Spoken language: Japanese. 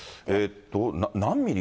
何ミリ？